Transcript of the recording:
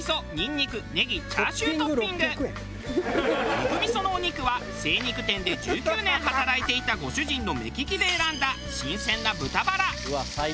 肉みそのお肉は精肉店で１９年働いていたご主人の目利きで選んだ新鮮な豚バラ。